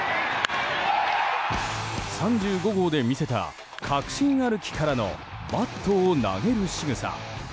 ３５号で見せた確信歩きからのバットを投げるしぐさ。